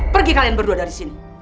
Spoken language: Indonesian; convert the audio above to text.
pergi kalian berdua dari sini